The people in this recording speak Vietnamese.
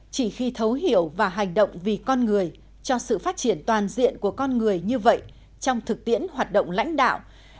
chỉ khi thấu hiểu và hành động vì con người cho sự phát triển toàn diện của con người như vậy trong thực tiễn hoạt động lãnh đạo